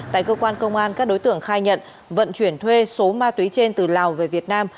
tại cơ quan công an các đối tượng khai nhận vận chuyển thuê số ma túy trên từ lào về việt nam